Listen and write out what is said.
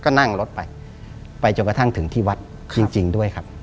ก็นั่งรถไปไปจนกระทั่งถึงที่วัดจริงด้วยครับ